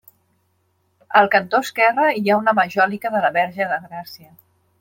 Al cantó esquerre hi ha una Majòlica de la Verge de Gràcia.